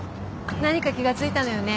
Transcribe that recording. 何か気が付いたのよね。